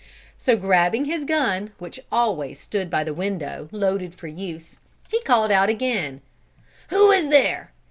So grabbing his gun, which always stood by the window loaded for use, he called out again: "Who is there?